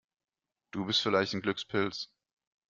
Du bist vielleicht ein Glückspilz!